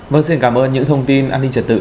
vâng xin cảm ơn những thông tin an ninh trật tự